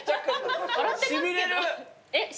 しびれる！